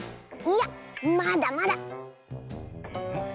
いやまだまだ。